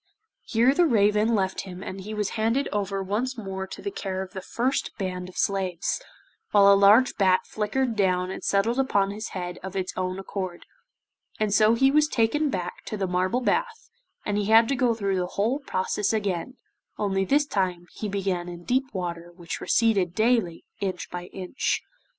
Here the raven left him and he was handed over once more to the care of the first band of slaves, while a large bat flickered down and settled upon his head of its own accord, and so he was taken back to the marble bath, and had to go through the whole process again, only this time he began in deep water which receded daily inch by inch.